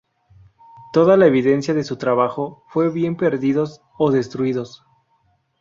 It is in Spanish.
Toda la evidencia de su trabajo fue bien perdidos o destruidos.